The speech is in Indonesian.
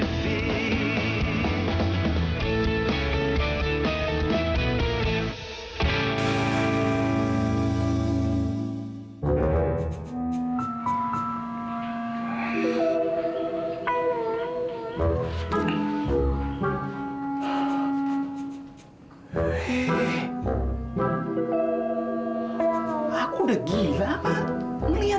nona mau pergi kemana ya